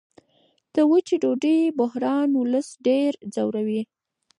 د وچې ډوډۍ بحران ولس ډېر ځوروي.